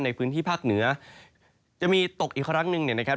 ในพื้นที่ภาคเหนือจะมีตกอีกครั้งหนึ่งเนี่ยนะครับ